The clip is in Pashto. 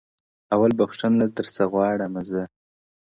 o اول بخښنه درڅه غواړمه زه؛